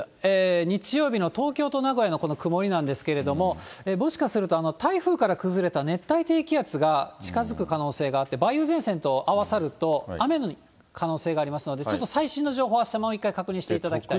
日曜日の東京と名古屋のこの曇りなんですけれども、もしかすると台風から崩れた熱帯低気圧が近づく可能性があって、梅雨前線と合わさると、雨の可能性がありますので、ちょっと最新の情報をあしたもう１回確認していただきたい。